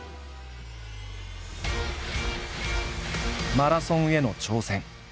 マラソンへの挑戦。